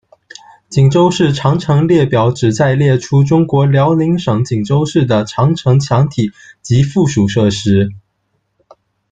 锦州市长城列表旨在列出中国辽宁省锦州市的长城墙体及附属设施。